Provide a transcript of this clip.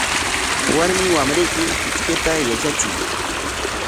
Warmi wamrayki puchkayta yatrachiy.